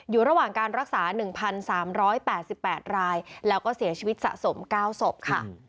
อยู่ระหว่างการรักษา๑๓๘๘รายแล้วก็เสียชีวิตสะสม๙ศพค่ะ